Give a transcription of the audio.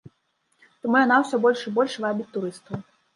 Таму яна ўсё больш і больш вабіць турыстаў.